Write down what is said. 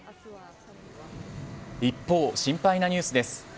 一方、心配なニュースです。